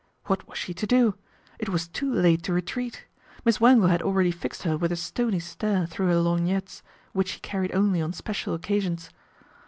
What was she to do ? It was too late to retreat. Miss Wangle had already fixed her with a stony stare through her lorgnettes, which she carried only on special occasions.